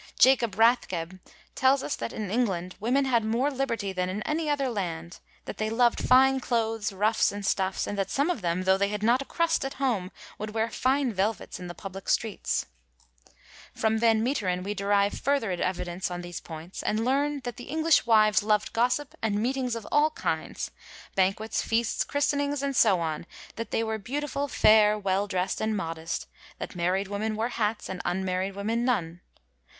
Jacob Bathgeb tells us that in England women had more liberty than in any other land, that they lovd fine clothes, ruffs and stuffs, and that some of them, tho' they had not a crust at home, would wear fine velvets in the public streets. From 1 Ed. McKerrow, 18. ' Thornbury, L 48 9. 49 SHAKSPERE'S LONDON : WOMEN, SPORTd Van Meteren we derive further evidence on these points, and learn that the English wives lovd gossip, and meetings of all kinds, hanquets, feasts, christenings, and so on, that they were ' beautiful, fair, well dressed and modest,' that married women wore hats, and un married women none.